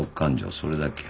それだけや。